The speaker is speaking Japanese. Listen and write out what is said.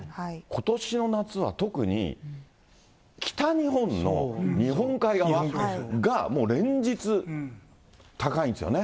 ことしの夏は特に北日本の日本海側が、もう連日、高いんですよね。